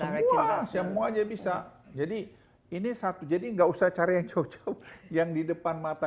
sangat jelas semuanya bisa jadi ini satu jadi enggak usah cari yang cocok yang di depan mata